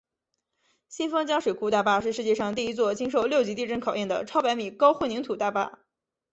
新丰江水库大坝是世界上第一座经受六级地震考验的超百米高混凝土大坝。